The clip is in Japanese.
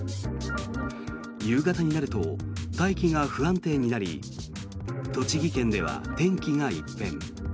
夕方になると大気が不安定になり栃木県では天気が一変。